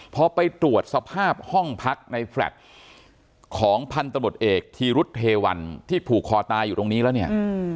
พอไปตรวจสภาพห้องพักในแฟลต์ของพันธบทเอกธีรุษเทวันที่ผูกคอตายอยู่ตรงนี้แล้วเนี่ย